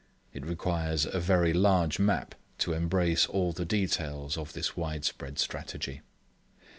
It requires a very large map to embrace all the details of this widespread strategy.